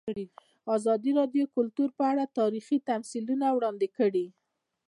ازادي راډیو د کلتور په اړه تاریخي تمثیلونه وړاندې کړي.